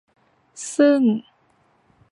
ซึ่ง